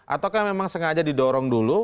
atau kan memang sengaja didorong dulu